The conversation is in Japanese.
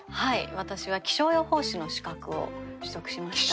私は気象予報士の資格を取得しました。